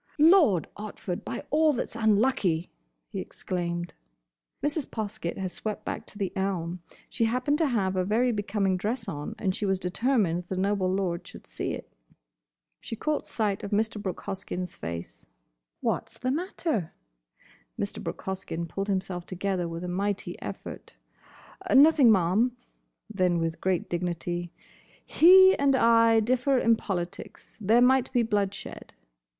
"Lord Otford, by all that's unlucky!" he exclaimed. Mrs. Poskett had swept back to the elm. She happened to have a very becoming dress on, and she was determined the noble lord should see it. She caught sight of Mr. Brooke Hoskyn's face. "What's the matter?" Mr. Brooke Hoskyn pulled himself together with a mighty effort. "Nothing, ma'am." Then with great dignity, "He and I differ in politics. There might be bloodshed."